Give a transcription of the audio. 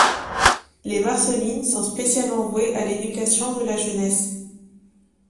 Les marcellines sont spécialement vouées à l'éducation de la jeunesse.